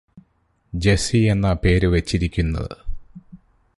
Jessy എന്നാ പേര് വച്ചിരിക്കുന്നത്